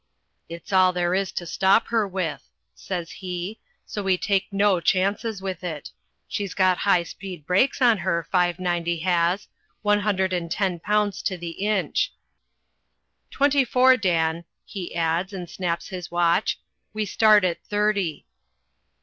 "It's all there is to stop her with," says he, "so we take no chances with it. She's got high speed brakes on her, 590 has one hundred and ten pounds to the inch. Twenty four, Dan," he adds, and snaps his watch. "We start at thirty."